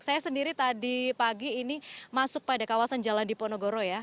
saya sendiri tadi pagi ini masuk pada kawasan jalan diponegoro ya